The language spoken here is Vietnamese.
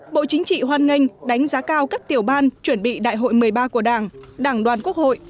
bộ chính trị hoan nghênh đánh giá cao các tiểu ban chuẩn bị đại hội một mươi ba của đảng đảng đoàn quốc hội